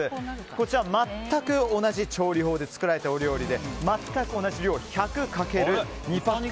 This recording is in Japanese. こちら、全く同じ調理法で作られたお料理で、全く同じ料理１００×２パック。